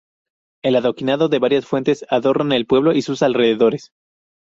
El adoquinado y varias fuentes adornan el pueblo y sus alrededores.